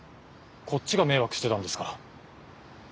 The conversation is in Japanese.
こっちが迷惑してたんですから。